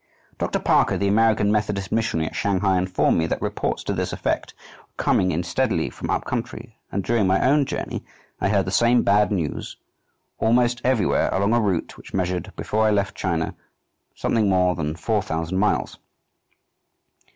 Dr. Parker, the American Methodist missionary at Shanghai, informed me that reports to this effect were coming in steadily from up country; and during my own journey I heard the same bad news almost everywhere along a route which measured, before I left China, something more than four thousand miles.